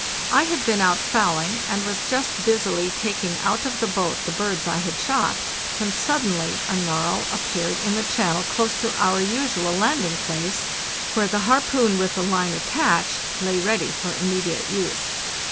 I had been out fowling, and was just busily taking out of the boat the birds I had shot, when suddenly a narwhal appeared in the channel close to our usual landing place, where the harpoon with the line attached lay ready for immediate use.